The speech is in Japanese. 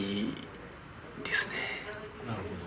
なるほど。